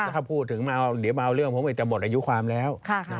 ถ้าพูดถึงเดี๋ยวมาเอาเรื่องผมอีกจะหมดอายุความแล้ว